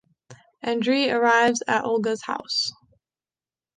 Andreï arrives at Olga's house.